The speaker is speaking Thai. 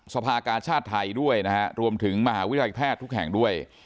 สภากาชาติไทยด้วยนะฮะรวมถึงมหาวิทยาลัยแพทย์ทุกแห่งด้วย